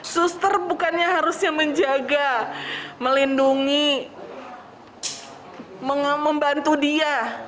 suster bukannya harusnya menjaga melindungi membantu dia